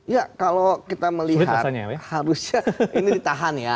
ya kalau kita melihat harusnya ini ditahan ya